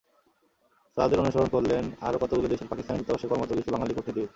তাঁদের অনুসরণ করলেন আরও কতগুলো দেশের পাকিস্তানি দূতাবাসে কর্মরত কিছু বাঙালি কূটনীতিবিদ।